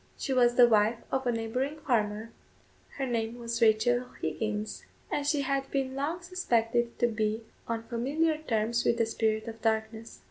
She was the wife of a neighbouring farmer; her name was Rachel Higgins; and she had been long suspected to be on familiar terms with the spirit of darkness.